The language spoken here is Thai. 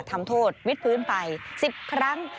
ทำโทษวิทพื้นไป๑๐ครั้ง